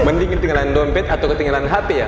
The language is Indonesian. mending ketinggalan dompet atau ketinggalan hp ya